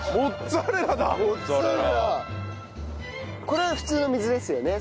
これは普通の水ですよね